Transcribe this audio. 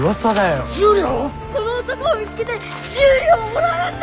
この男を見つけて１０両をもらうんだ！